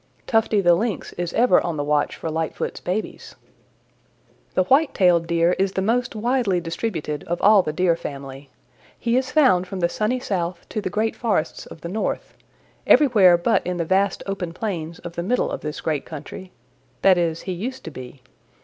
Tufty the Lynx is ever on the watch for Lightfoot's babies. "The White tailed Deer is the most widely distributed of all the Deer family. He is found from the Sunny South to the great forests of the North everywhere but in the vast open plains of the middle of this great country. That is, he used to be.